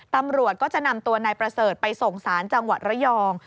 ตำรวจก็จะนำตัวนายประเสริฐไปส่งสารจังหวัดระยอง